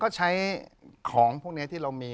ก็ใช้ของพวกนี้ที่เรามี